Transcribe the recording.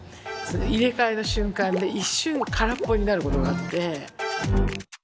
入れ替えの瞬間で一瞬空っぽになることがあって。